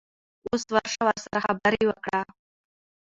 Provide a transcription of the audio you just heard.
اوس ورشه ورسره خبرې وکړه.